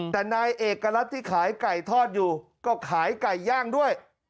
แต่นายเอกรัฐที่ขายไก่ทอดอยู่ก็ขายไก่ย่างด้วย